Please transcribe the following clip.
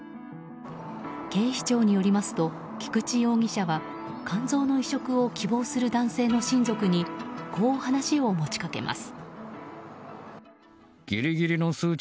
警視庁によりますと菊池容疑者は肝臓の移植を希望する男性の親族にこう話を持ち掛けます。